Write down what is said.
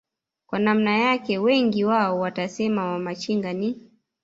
kwa namna yake wengi wao watasema wamachinga ni